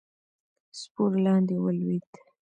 سپور لاندې ولوېد.